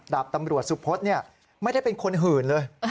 ดาบตำรวจสุพธไม่ได้เป็นคนหื่นเลย